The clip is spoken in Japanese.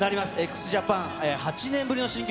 ＸＪＡＰＡＮ８年ぶりの新曲、